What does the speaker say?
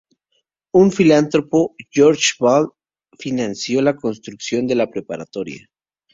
Un filántropo, George Ball, financió la construcción de la preparatoria.